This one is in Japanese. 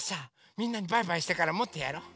みんなにバイバイしてからもっとやろう！